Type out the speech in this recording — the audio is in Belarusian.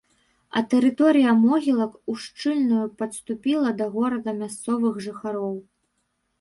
А тэрыторыя могілак ушчыльную падступіла да гарода мясцовых жыхароў.